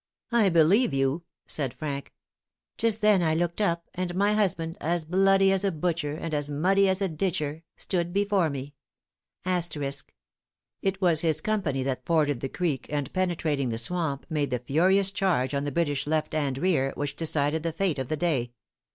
"'I believe you,' said Frank. Just then I looked up, and my husband, as bloody as a butcher, and as muddy as a ditcher, * stood before me. * It was his company that forded the creek, and penetrating the swamp, made the furious charge on the British left and rear, which decided the fate of the day.